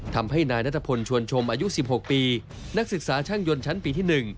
ทำให้นายนัทพลชวนชมอายุ๑๖ปีนักศึกษาช่างยนต์ชั้นปีที่๑